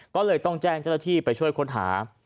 ก็เลยต้องแจ้งเจ้าหน้าที่ไปช่วยค้นหา